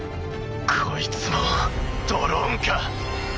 こいつもドローンか。